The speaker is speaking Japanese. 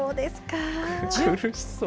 苦しそう。